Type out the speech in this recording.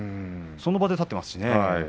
その場で立っていますね。